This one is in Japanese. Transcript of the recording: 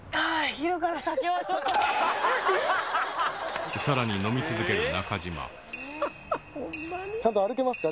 昼から酒はちょっとさらに飲み続ける中島ちゃんと歩けますか？